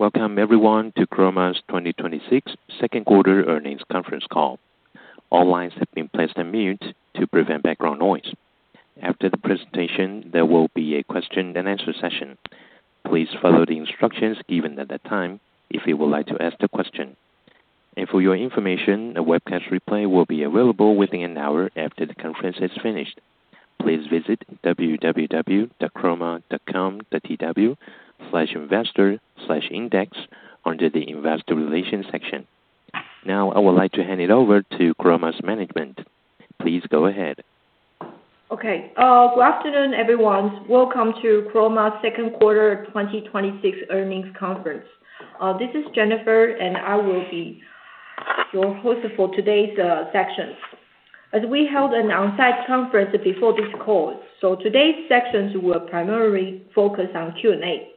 Welcome everyone to Chroma's 2026 second quarter earnings conference call. All lines have been placed on mute to prevent background noise. After the presentation, there will be a question and answer session. Please follow the instructions given at that time if you would like to ask the question. For your information, a webcast replay will be available within an hour after the conference is finished. Please visit www.chroma.com.tw/investor/index under the investor relations section. Now, I would like to hand it over to Chroma's management. Please go ahead. Okay. Good afternoon, everyone. Welcome to Chroma's second quarter 2026 earnings conference. This is Jennifer, and I will be your host for today's session. As we held an on-site conference before this call, today's sessions will primarily focus on Q&A.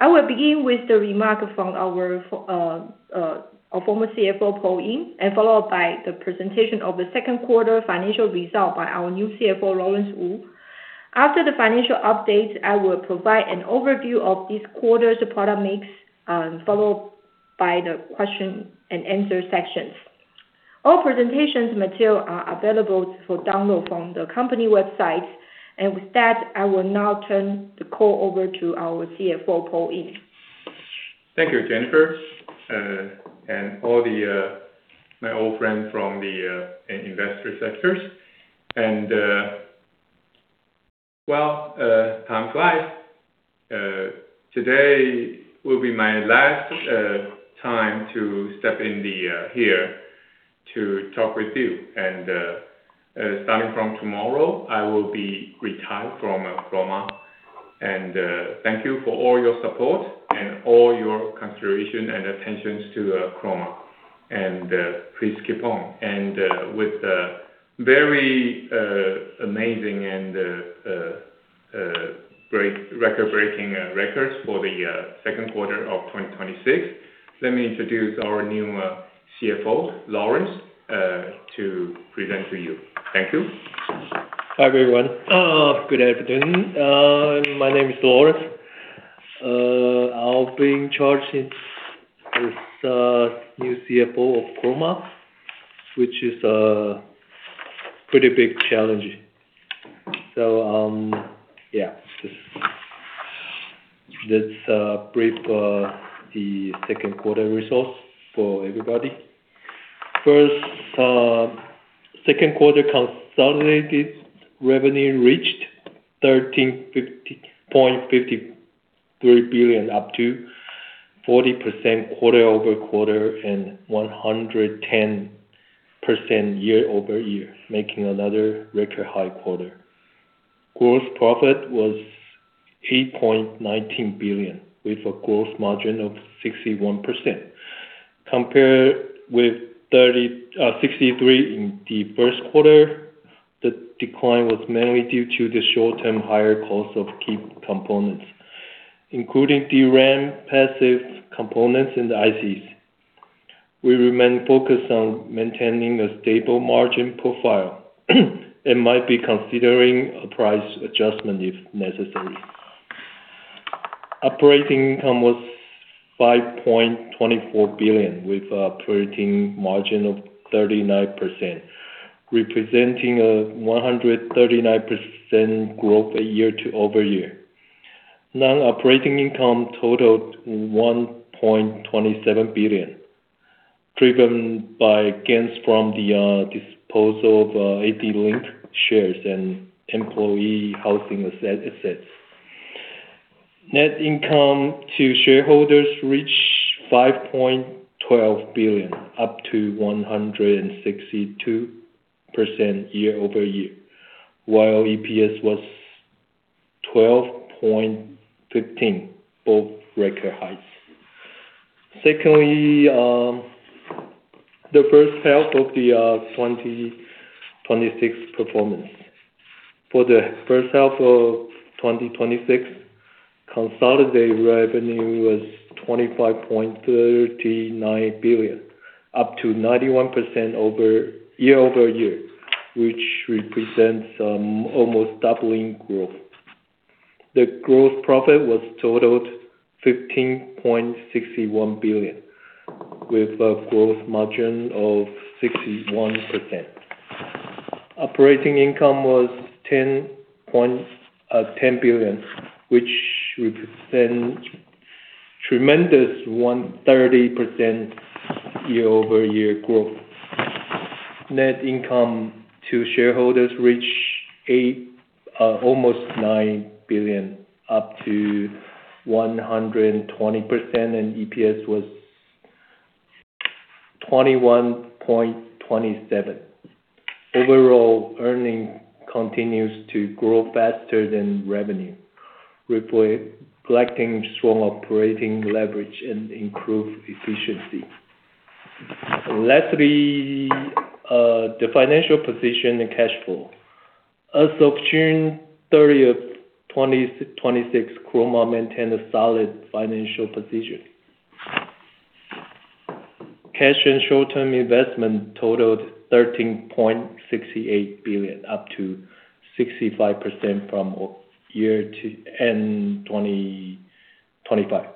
I will begin with the remarks from our former CFO, Paul Ying, followed by the presentation of the second quarter financial results by our new CFO, Lawrence Wu. After the financial update, I will provide an overview of this quarter's product mix, followed by the question and answer sessions. All presentation material are available for download from the company website. With that, I will now turn the call over to our CFO, Paul Ying. Thank you, Jennifer, and all my old friends from the investor sectors. Well, time flies. Today will be my last time to step in here to talk with you. Starting from tomorrow, I will be retired from Chroma. Thank you for all your support and all your consideration and attention to Chroma. Please keep on. With very amazing and record-breaking records for the second quarter of 2026, let me introduce our new CFO, Lawrence, to present to you. Thank you. Hi, everyone. Good afternoon. My name is Lawrence. I've been charged as new CFO of Chroma, which is a pretty big challenge. Let's break the second quarter results for everybody. First, second quarter consolidated revenue reached 13.53 billion, up to 40% quarter-over-quarter and 110% year-over-year, making another record high quarter. Gross profit was 8.19 billion, with a gross margin of 61%. Compared with 63% in the first quarter, the decline was mainly due to the short-term higher cost of key components, including DRAM, passive components, and ICs. We remain focused on maintaining a stable margin profile and might be considering a price adjustment if necessary. Operating income was 5.24 billion, with operating margin of 39%, representing a 139% growth year-over-year. Non-operating income totaled 1.27 billion, driven by gains from the disposal of ADLINK shares and employee housing assets. Net income to shareholders reached 5.12 billion, up to 162% year-over-year, while EPS was 12.15, both record highs. Secondly, the first half of the 2026 performance. For the first half of 2026, consolidated revenue was 25.39 billion, up to 91% year-over-year, which represents almost doubling growth. The gross profit was totaled 15.61 billion, with a growth margin of 61%. Operating income was 10 billion, which represents tremendous 130% year-over-year growth. Net income to shareholders reached almost 9 billion, up to 120%, and EPS was TWD 21.27. Overall, earnings continues to grow faster than revenue, reflecting strong operating leverage and improved efficiency. Lastly, the financial position and cash flow. As of June 30th, 2026, Chroma maintained a solid financial position. Cash and short-term investments totaled 13.68 billion, up to 65% from year-end 2025,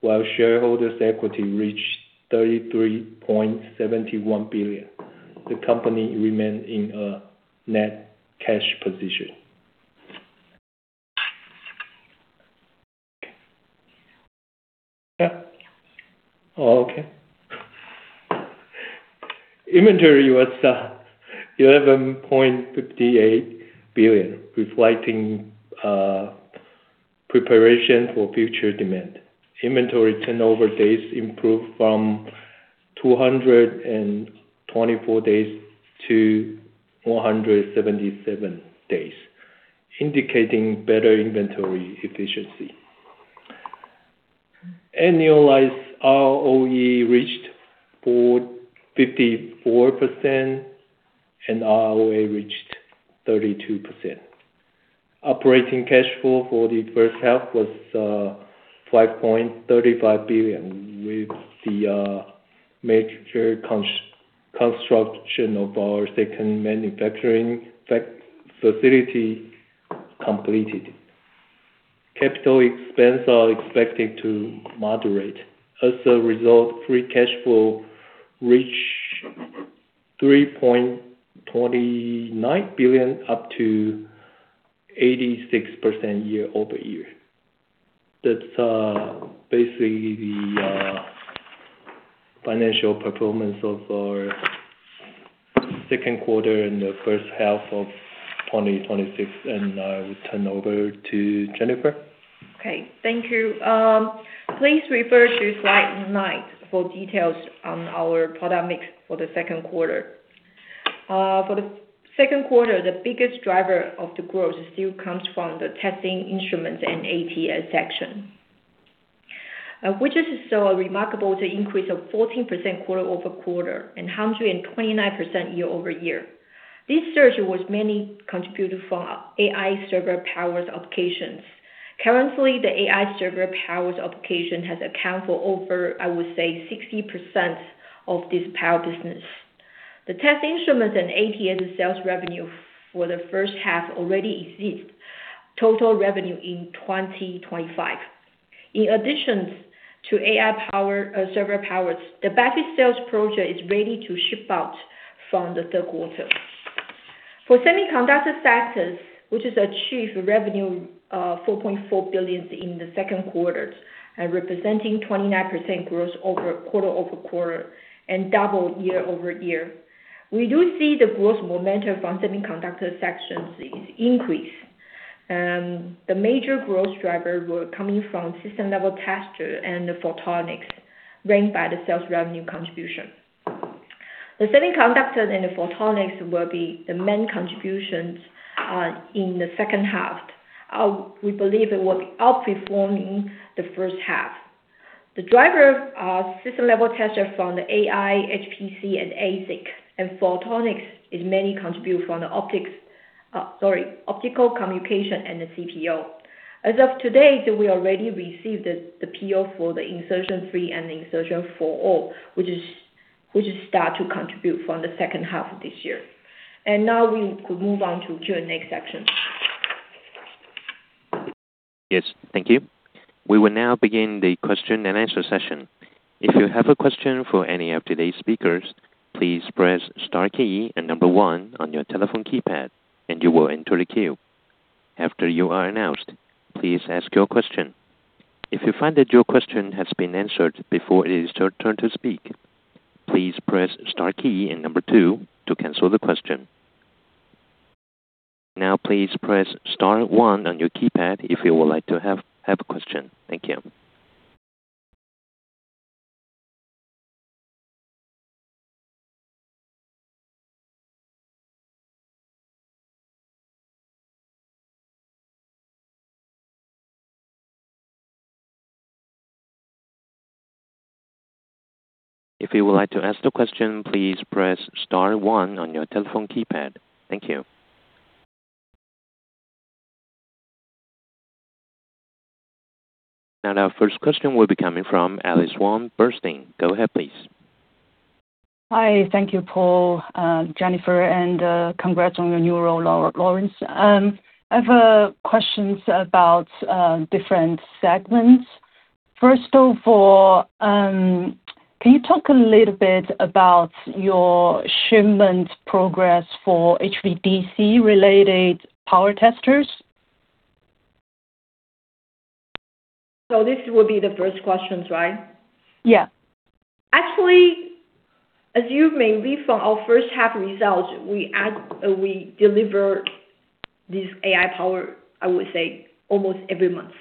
while shareholders' equity reached 33.71 billion. The company remains in a net cash position. Inventory was TWD 11.58 billion, reflecting preparation for future demand. Inventory turnover days improved from 224-177 days, indicating better inventory efficiency. Annualized ROE reached 54%, and ROA reached 32%. Operating cash flow for the first half was 5.35 billion, with the major construction of our second manufacturing facility completed. Capital expenses are expected to moderate. As a result, free cash flow reached 3.29 billion, up to 86% year-over-year. That's basically the financial performance of our second quarter and the first half of 2026. I will turn it over to Jennifer. Okay. Thank you. Please refer to slide nine for details on our product mix for the second quarter. For the second quarter, the biggest driver of the growth still comes from the testing instruments and ATS section, which saw a remarkable increase of 14% quarter-over-quarter and 129% year-over-year. This surge was mainly contributed from AI server power applications. Currently, the AI server power application accounts for over, I would say, 60% of this power business. The test instruments and ATS sales revenue for the first half already exceeds total revenue in 2025. In addition to AI server power, the battery sales project is ready to ship out from the third quarter. For the semiconductor sector, which achieved revenue of 4.4 billion in the second quarter, representing 29% growth quarter-over-quarter and double year-over-year. We do see the growth momentum from the semiconductor section increase. The major growth drivers were coming from system-level testers and photonics, ranked by the sales revenue contribution. The semiconductors and the photonics will be the main contributions in the second half. We believe it will be outperforming the first half. The driver of system-level testers from the AI, HPC, and ASIC, and photonics is mainly contributed from the optical communication and the CPO. As of today, we already received the PO for the Insertion 3 and the Insertion 4O, which start to contribute from the second half of this year. Now we could move on to Q&A section. Yes. Thank you. We will now begin the question and answer session. If you have a question for any of today's speakers, please press star key and one on your telephone keypad, and you will enter the queue. After you are announced, please ask your question. If you find that your question has been answered before it is your turn to speak, please press star key and two to cancel the question. Please press star one on your keypad if you would like to have a question. Thank you. If you would like to ask the question, please press star one on your telephone keypad. Thank you. Our first question will be coming from Alex Wang, Bernstein. Go ahead, please. Hi. Thank you, Paul, Jennifer, congrats on your new role, Lawrence. I have questions about different segments. First off, can you talk a little bit about your shipment progress for HVDC-related power testers? This will be the first question, right? Yeah. Actually, as you may read from our first half results, we delivered this AI power, I would say, almost every month.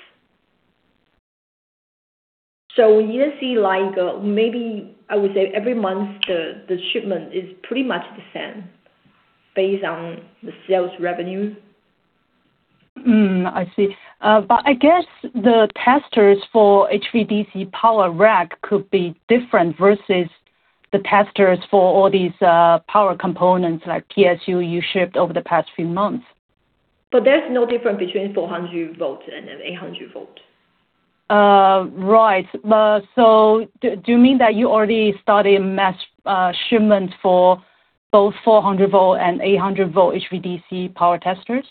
You see maybe, I would say, every month the shipment is pretty much the same based on the sales revenue. I see. I guess the testers for HVDC power rack could be different versus the testers for all these power components, like PSU, you shipped over the past few months. There's no difference between 400 V and an 800 V. Right. Do you mean that you already started mass shipments for both 400 V and 800 V HVDC power testers?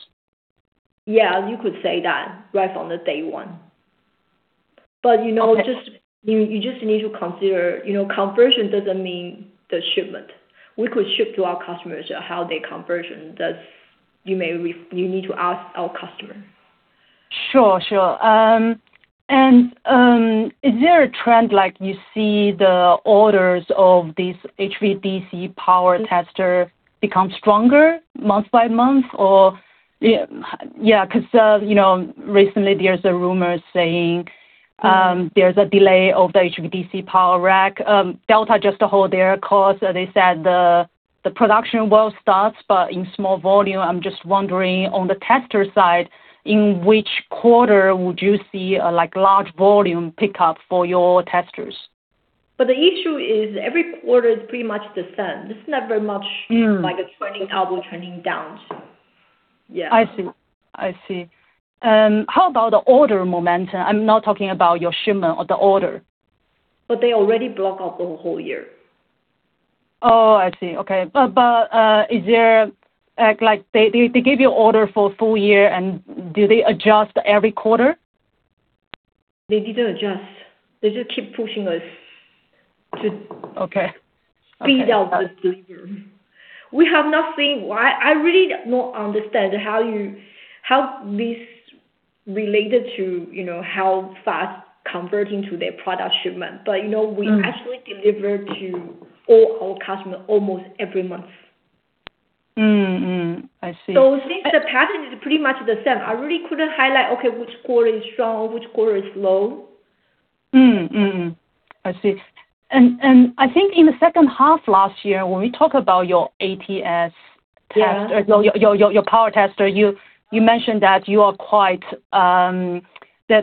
Yeah, you could say that, right from the day one. Okay. You just need to consider conversion doesn't mean the shipment. We could ship to our customers how they conversion. You need to ask our customer. Sure. Is there a trend like you see the orders of these HVDC power tester become stronger month by month? Yeah, because, recently there's a rumor, there's a delay of the HVDC power rack. Delta just hold their course. They said the production will start, but in small volume. I'm just wondering on the tester side, in which quarter would you see a large volume pickup for your testers? The issue is every quarter is pretty much the same. This is not very much like a turning elbow turning down. I see. How about the order momentum? I'm now talking about your shipment or the order. They already block off the whole year. I see. Okay. They give you order for a full year, and do they adjust every quarter? They didn't adjust. They just keep pushing us. Okay Speed up the delivery. We have not seen why. I really don't understand how this related to how fast converting to their product shipment. You know, we actually deliver to all our customer almost every month. I see. Since the pattern is pretty much the same, I really couldn't highlight, okay, which quarter is strong or which quarter is low. I see. I think in the second half last year, when we talk about your ATS tester your power tester, you mentioned that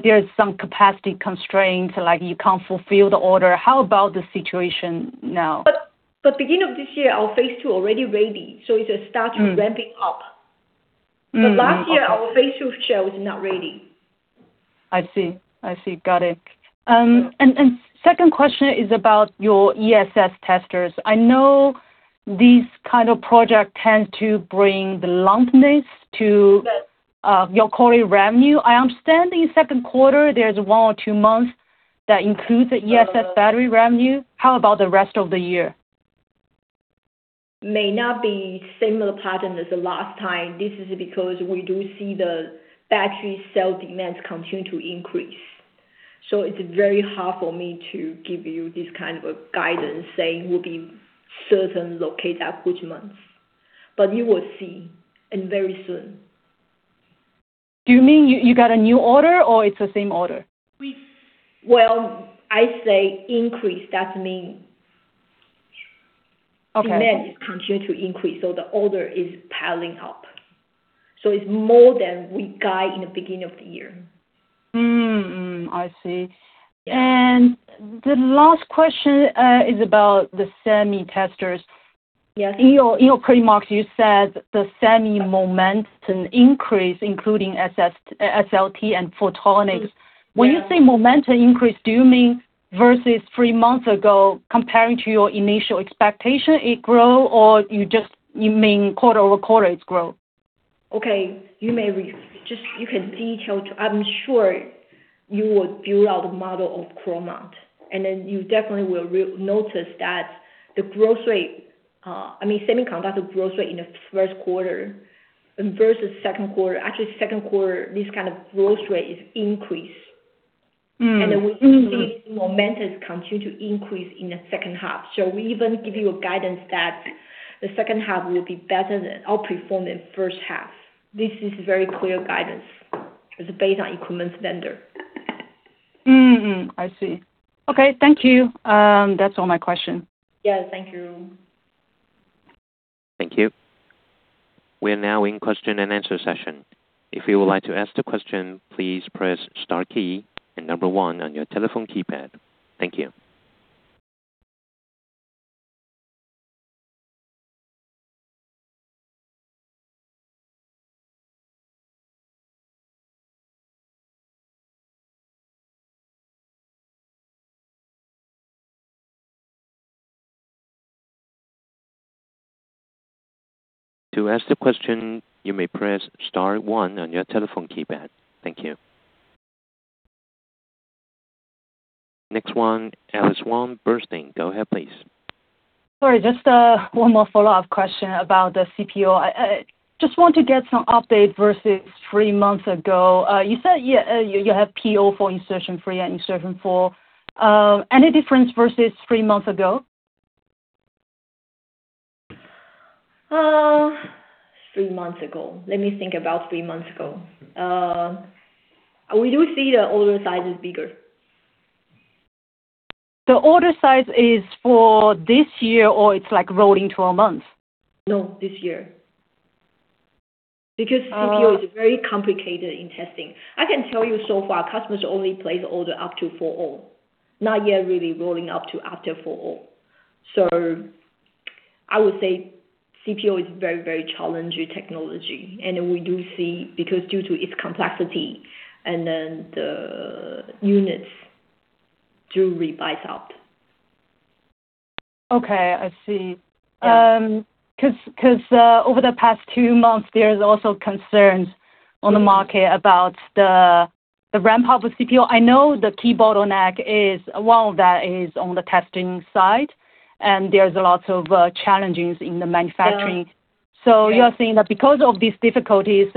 there is some capacity constraint, like you can't fulfill the order. How about the situation now? Beginning of this year, our phase II already ready, so it's starting ramping up. Last year, our phase II show is not ready. I see. Got it. Yeah. Second question is about your ESS testers. I know this kind of project tends to bring the lumpiness to your quarterly revenue. I understand in the second quarter, there is one or two months that includes the ESS battery revenue. How about the rest of the year? May not be similar pattern as the last time. This is because we do see the battery cell demands continue to increase. It is very hard for me to give you this kind of a guidance saying will be certain locate at which months. You will see, very soon. Do you mean you got a new order or it is the same order? Well, I say increase, that means increase. Okay. Demand continues to increase, so the order is piling up. It's more than we guided in the beginning of the year. I see. Yeah. The last question is about the semi testers. In your earnings remarks, you said the semi momentum increased including SLT and photonics. When you say momentum increase, do you mean versus three months ago comparing to your initial expectation, it grow, or you mean quarter over quarter it's grow? Okay. You can detail. I'm sure you would build out a model of Chroma, then you definitely will notice that the growth rate, I mean, semiconductor growth rate in the first quarter versus second quarter. Actually, second quarter, this kind of growth rate is increase. We see the momentum continue to increase in the second half. We even give you a guidance that the second half will be better than, or perform than first half. This is very clear guidance. It's based on equipment vendor. I see. Okay. Thank you. That's all my question. Yeah. Thank you. Thank you. We are now in question and answer session. If you would like to ask the question, please press star key and number one on your telephone keypad. Thank you. To ask the question, you may press star one on your telephone keypad. Thank you. Next one, Alex Wang, Bernstein. Go ahead, please. Sorry, just one more follow-up question about the CPO. Just want to get some update versus three months ago. You said you have PO for Insertion 3 and Insertion 4. Any difference versus three months ago? Three months ago. Let me think about three months ago. We do see the order size is bigger. The order size is for this year, or it's like rolling 12 months? No, this year. CPO is very complicated in testing. I can tell you so far, customers only place order up to Insertion 4O. Not yet really rolling up to after Insertion 4O. I would say CPO is very challenging technology, and we do see, because due to its complexity and then the units to revise up. Okay, I see. Yeah. Over the past two months, there's also concerns on the market about the ramp-up of CPO. I know the key bottleneck is, well, that is on the testing side, and there's lots of challenges in the manufacturing. You're saying that because of these difficulties,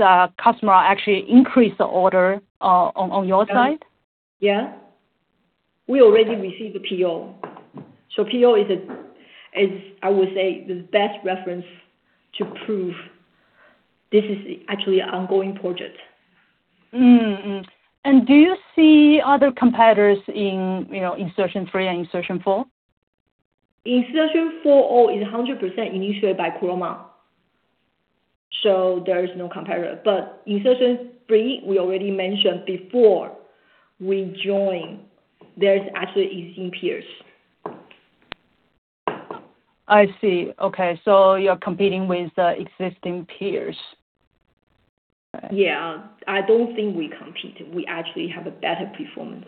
customer actually increase the order on your side? Yeah. We already received the PO. PO is, I would say, the best reference to prove this is actually an ongoing project. Do you see other competitors in Insertion 3 and Insertion 4? Insertion 4 is 100% initiated by Chroma, so there is no competitor. Insertion 3, we already mentioned before we join, there's actually existing peers. I see. Okay, you're competing with existing peers. Yeah. I don't think we compete. We actually have a better performance.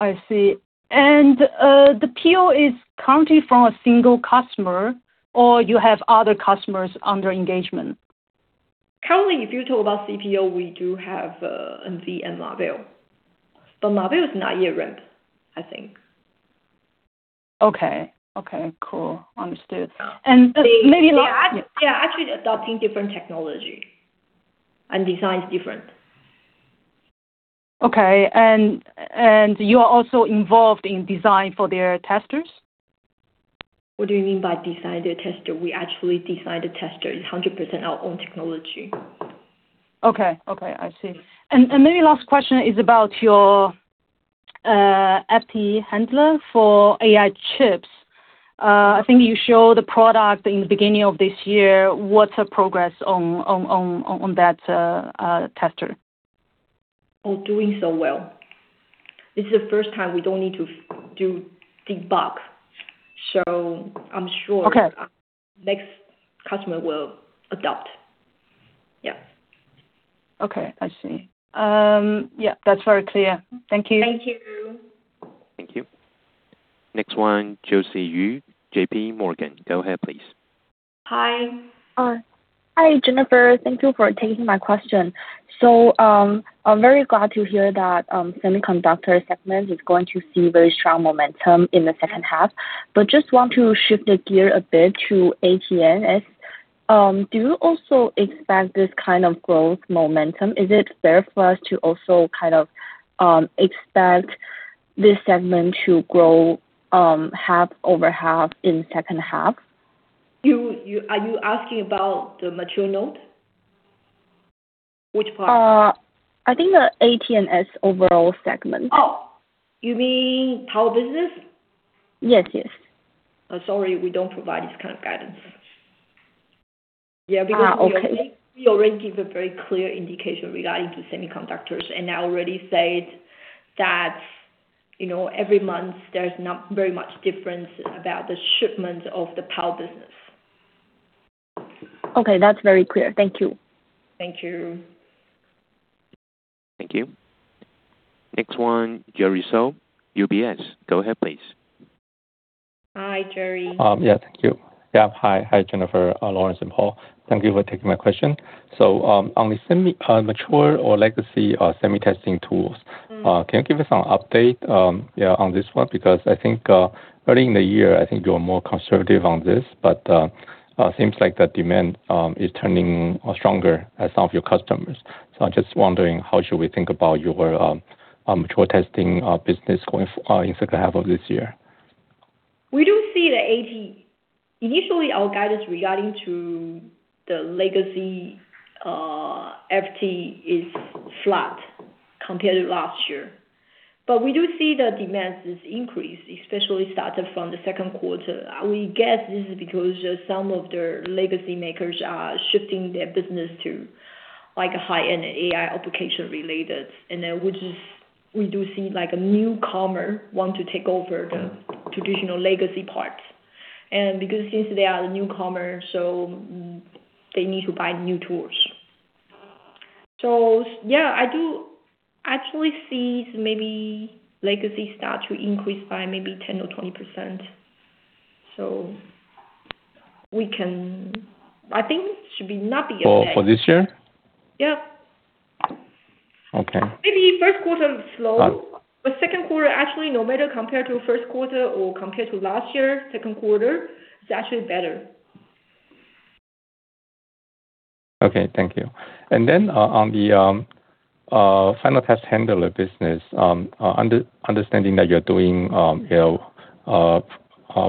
I see. The PO is currently from a single customer, or you have other customers under engagement? Currently, if you talk about CPO, we do have, NV and Marvell. Marvell is not yet ramped, I think. Okay. Cool. Understood. They are actually adopting different technology and design is different. Okay. You are also involved in design for their testers? What do you mean by design their tester? We actually design the tester. It's 100% our own technology. Okay. I see. Maybe last question is about your FE handler for AI chips. I think you show the product in the beginning of this year. What's the progress on that tester? Doing so well. This is the first time we don't need to do debug, so I'm sure. Okay Next customer will adopt. Yeah. Okay. I see. Yeah, that's very clear. Thank you. Thank you. Thank you. Next one, Josie Yu, JPMorgan. Go ahead, please. Hi. Hi, Jennifer. Thank you for taking my question. I'm very glad to hear that semiconductor segment is going to see very strong momentum in the second half. Just want to shift the gear a bit to ATS. Do you also expect this kind of growth momentum? Is it fair for us to also kind of expect this segment to grow half over half in second half? Are you asking about the mature node? Which part? I think the ATS overall segment. You mean power business? Yes. Sorry, we don't provide this kind of guidance. Okay. Yeah, we already give a very clear indication regarding to semiconductors, and I already said that every month there's not very much difference about the shipment of the power business. Okay. That's very clear. Thank you. Thank you. Thank you. Next one, Jerry Su, UBS. Go ahead, please. Hi, Jerry. Yeah, thank you. Yeah. Hi, Jennifer, Lawrence, and Paul. Thank you for taking my question. On the mature or legacy semi testing tools. Can you give us an update on this one? I think, early in the year, I think you're more conservative on this, seems like the demand is turning stronger at some of your customers. I'm just wondering how should we think about your mature testing business going in second half of this year? Initially, our guidance regarding to the legacy FT is flat compared to last year. We do see the demand is increased, especially starting from the second quarter. We guess this is because some of their legacy makers are shifting their business to high-end AI application related. We do see a newcomer want to take over the traditional legacy parts. Since they are a newcomer, they need to buy new tools. Yeah, I do actually see maybe legacy start to increase by maybe 10% or 20%. For this year? Yeah. Okay. Maybe first quarter slow, but second quarter, actually, no matter compared to first quarter or compared to last year, second quarter is actually better. Okay, thank you. Then, on the final test handler business, understanding that you are doing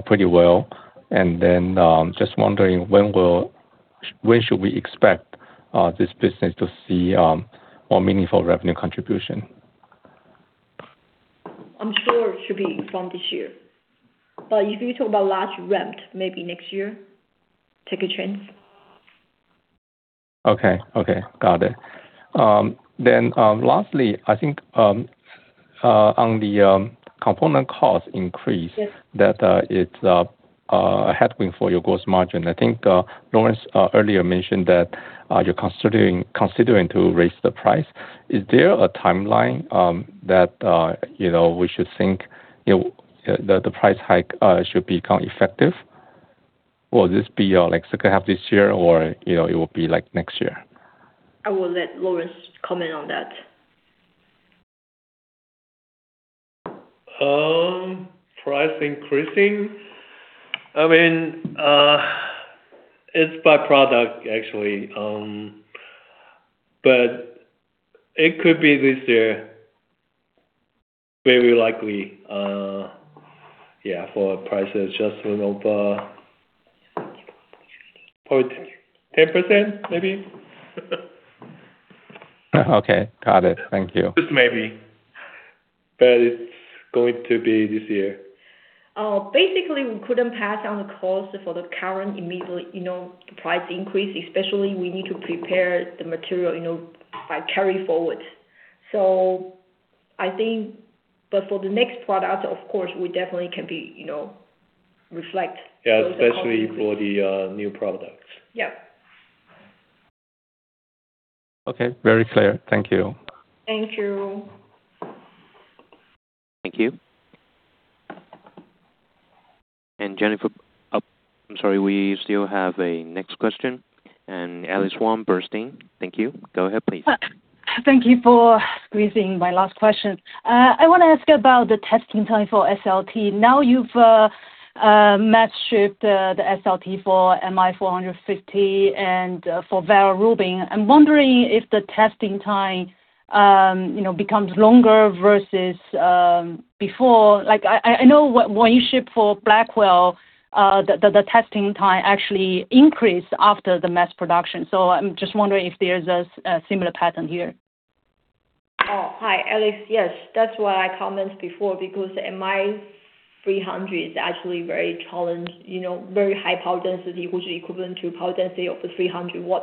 pretty well and then, just wondering, when should we expect this business to see more meaningful revenue contribution? I am sure it should be from this year. If you talk about large ramp, maybe next year. Take a chance. Okay. Got it. Lastly, I think on the component cost increase that it's a headwind for your gross margin. I think Lawrence earlier mentioned that you're considering to raise the price. Is there a timeline that we should think that the price hike should become effective? Will this be second half this year, or it will be next year? I will let Lawrence comment on that. Price increasing? It's by product, actually. It could be this year, very likely, for price adjustment of 0.10%, maybe. Okay. Got it. Thank you. Just maybe. It's going to be this year. Basically, we couldn't pass on the cost for the current immediate price increase, especially we need to prepare the material by carry forward. I think, for the next product, of course, we definitely can reflect those components. Yeah, especially for the new products. Yeah. Okay. Very clear. Thank you. Thank you. Thank you. Jennifer, I'm sorry, we still have a next question. Alex Wang, Bernstein. Thank you. Go ahead, please. Thank you for squeezing my last question. I want to ask about the testing time for SLT. Now you've mass shipped the SLT for MI450 and for Vera Rubin. I'm wondering if the testing time becomes longer versus before. I know when you ship for Blackwell, the testing time actually increased after the mass production. I'm just wondering if there's a similar pattern here. Hi, Alex. Yes. That's why I commented before, because MI300 is actually very high power density, which is equivalent to power density of the 300 W.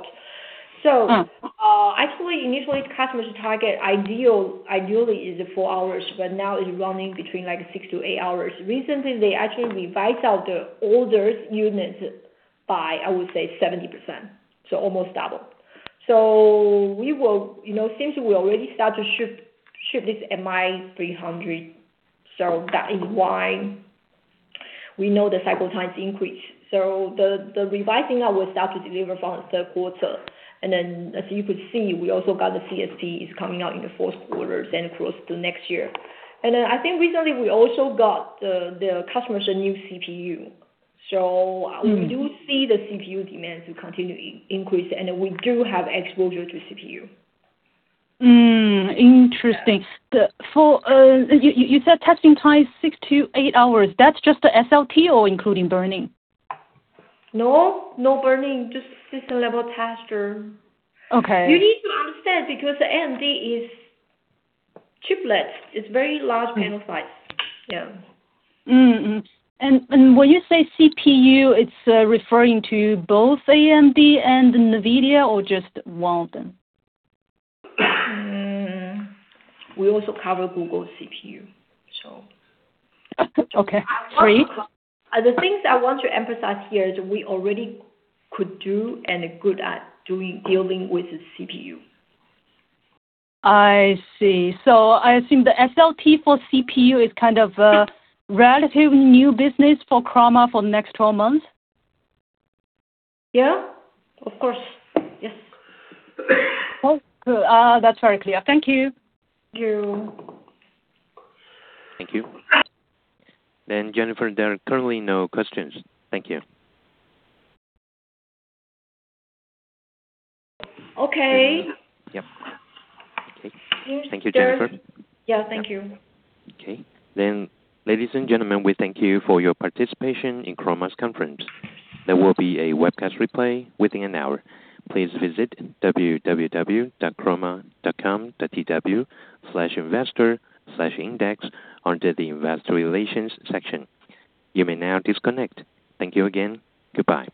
Actually, initially, the customer's target ideally is four hours, but now it's running between six to eight hours. Recently, they actually revised out the orders units by, I would say, 70%, almost double. Since we already start to ship this MI300, so that is why we know the cycle time increase. The revising that will start to deliver from third quarter. As you could see, we also got the CST is coming out in the fourth quarter, then across to next year. I think recently we also got the customer's new CPU. We do see the CPU demands to continue increase, and we do have exposure to CPU. Interesting. You said testing time is six to eight hours. That's just the SLT or including burning? No, no burning, just system level tester. Okay. You need to understand because AMD is chiplet. It's very large panel size. Yeah. When you say CPU, it's referring to both AMD and NVIDIA or just one of them? We also cover Google CPU. Okay, great. The things I want to emphasize here is we already could do and are good at doing, dealing with the CPU. I see. I assume the SLT for CPU is kind of a relatively new business for Chroma for the next 12 months? Yeah. Of course. Okay, good. That's very clear. Thank you. Thank you. Thank you. Jennifer, there are currently no questions. Thank you. Okay. Yep. Okay. Thank you, Jennifer. Yeah. Thank you. Okay. Ladies and gentlemen, we thank you for your participation in Chroma's conference. There will be a webcast replay within an hour. Please visit www.chroma.com.tw/investor/index under the investor relations section. You may now disconnect. Thank you again. Goodbye.